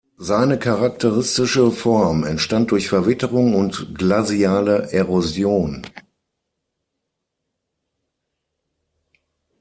Seine charakteristische Form entstand durch Verwitterung und glaziale Erosion.